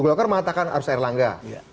golkar mengatakan harus air langga